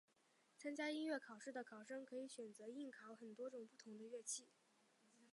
参加音乐考试的考生可以选择应考很多种不同的乐器。